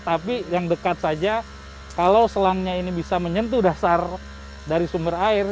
tapi yang dekat saja kalau selangnya ini bisa menyentuh dasar dari sumber air